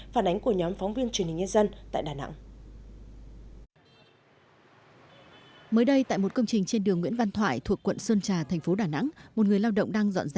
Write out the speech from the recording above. phản ánh của nhóm phóng viên truyền hình nhân dân tại đà nẵng